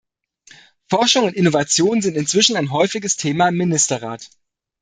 Forschung und Innovation sind inzwischen ein häufiges Thema im Ministerrat.